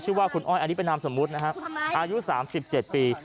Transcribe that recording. ชื่อว่าคุณอ้อยอันนี้เป็นนามสมมุตินะครับอายุ๓๗ปี